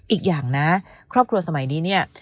อีกอย่างนะครอบครัวสมัยนี้เนี่ย